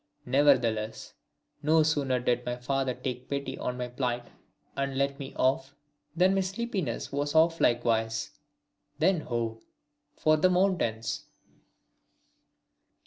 Nevertheless, no sooner did my father take pity on my plight and let me off, than my sleepiness was off likewise. Then ho! for the mountains.